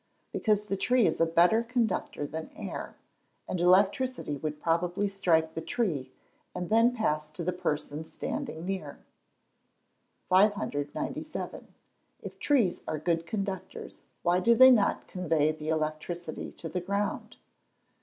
_ Because the tree is a better conductor than air, and electricity would probably strike the tree, and then pass to the person standing near. 597. _If trees are good conductors, why do they not convey the electricity to the ground?